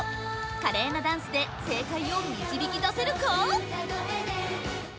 華麗なダンスで正解を導き出せるか？